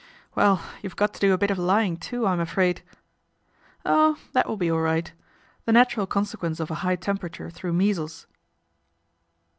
" Well, you've got to do a bit of lying, too, I'm afraid." " Oh ! that will be all right. The natural con sequence of a high temperature through measles."